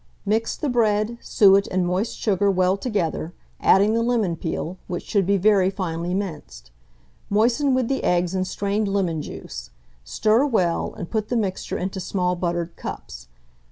Mix the bread, suet, and moist sugar well together, adding the lemon peel, which should be very finely minced. Moisten with the eggs and strained lemon juice; stir well, and put the mixture into small buttered cups.